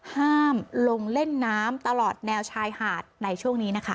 ห้ามลงเล่นน้ำตลอดแนวชายหาดในช่วงนี้นะคะ